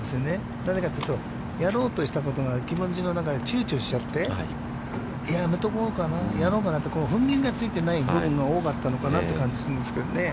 なぜかというと、やろうとしたことが気持ちの中でちゅうちょしちゃって、やめとこうかな、やろうかなって、踏ん切りがついてない部分が多かったのかなという感じがするんですけど。